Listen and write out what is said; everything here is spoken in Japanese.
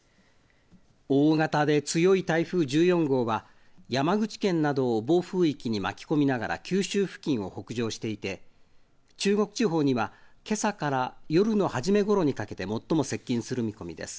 大型で強い台風１４号は山口県などを暴風域に巻き込みながら九州付近を北上していて中国地方には、夜の初めごろにかけて最も接近する見込みです。